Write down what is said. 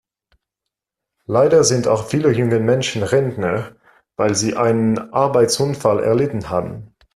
Leider sind auch viele junge Menschen Rentner, weil sie einen Arbeitsunfall erlitten haben.